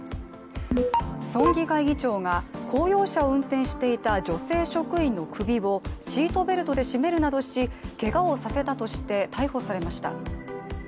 村議会議長が、公用車を運転していた女性職員の首をシートベルトで絞めるなどしけがをさせたとして逮捕されました。